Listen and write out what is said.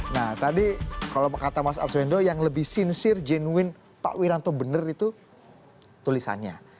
nah tadi kalau kata mas arswendo yang lebih sincir jenuin pak wiranto benar itu tulisannya